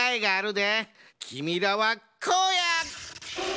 きみらはこうや！